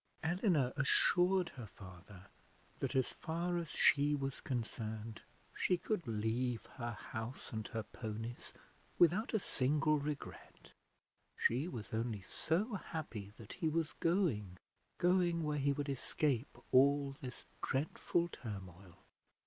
Eleanor assured her father that, as far as she was concerned, she could leave her house and her ponies without a single regret. She was only so happy that he was going going where he would escape all this dreadful turmoil.